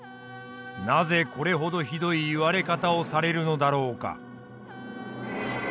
なぜこれほどひどい言われ方をされるのだろうか？